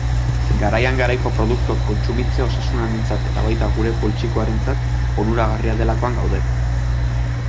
Garaian garaiko produktuak kontsumitzea osasunarentzat eta baita gure poltsikaorentzat onuragarria delakoan gaude.